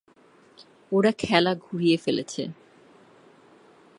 ওরা খেলা ঘুরিয়ে ফেলেছে।